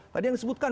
tadi yang disebutkan